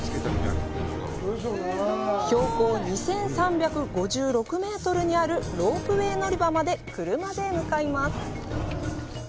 標高２３５６メートルにあるロープウエー乗り場まで車で向かいます。